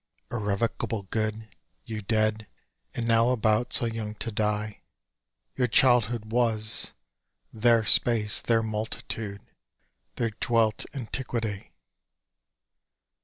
Irrevocable good,— You dead, and now about, so young, to die,— Your childhood was; there Space, there Multitude, There dwelt Antiquity.